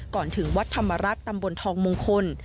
ก่อนถึงวัดธรรมรัฐตำบลทองมงคล